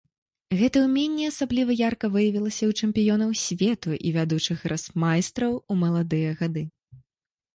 Гэта ўменне асабліва ярка выявілася ў чэмпіёнаў свету і вядучых гросмайстраў у маладыя гады.